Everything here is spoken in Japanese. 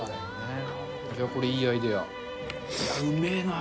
これ、いいアイデア。